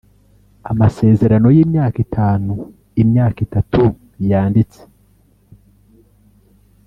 Amasezerano y’imyaka itanu (imyaka itatu yanditse